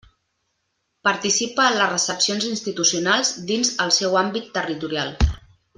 Participa en les recepcions institucionals dins el seu àmbit territorial.